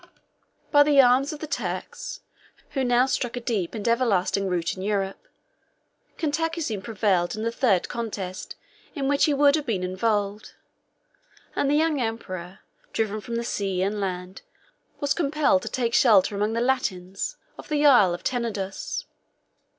By the arms of the Turks, who now struck a deep and everlasting root in Europe, Cantacuzene prevailed in the third contest in which he had been involved; and the young emperor, driven from the sea and land, was compelled to take shelter among the Latins of the Isle of Tenedos.